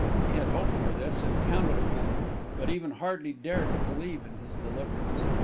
He had hoped for this, had counted upon it, but even yet hardly dared to believe in his deliverance.